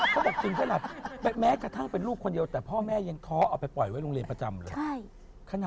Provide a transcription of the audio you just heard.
เขาบอกถึงขนาดแม้กระทั่งเป็นลูกคนเดียวแต่พ่อแม่ยังท้อเอาไปปล่อยไว้โรงเรียนประจำเลย